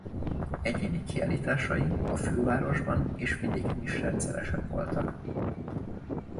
Egyéni kiállításai a fővárosban és vidéken is rendszeresek voltak.